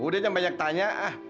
udah yang banyak tanya